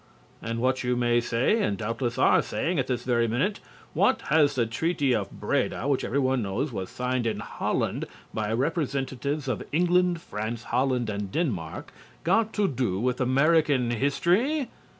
But what, you may say and doubtless are saying at this very minute what has the Treaty of Breda (which everyone knows was signed in Holland by representatives of England, France, Holland and Denmark) got to do with American history?